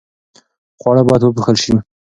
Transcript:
خواړه باید وپوښل شي.